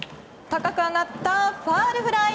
高く上がったファウルフライ。